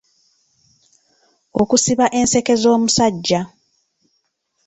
Okusiba enseke z’omusajja.